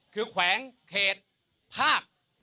คือแขวงเขตภาค